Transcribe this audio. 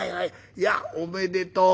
いやおめでとう。